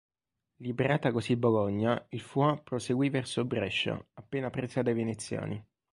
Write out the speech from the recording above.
Liberata così Bologna il Foix proseguì verso Brescia, appena presa dai veneziani.